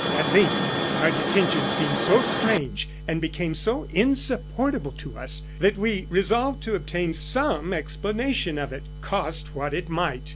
"At length our detention seemed so strange and became so insupportable to us, that we resolved to obtain some explanation of it, cost what it might.